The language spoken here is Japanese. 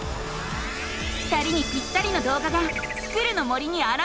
２人にぴったりのどうがが「スクる！の森」にあらわれた！